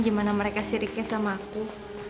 gimana mereka syiriknya sama aku